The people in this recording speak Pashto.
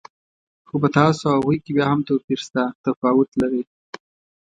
خو په تاسو او هغوی کې بیا هم توپیر شته، تفاوت لرئ.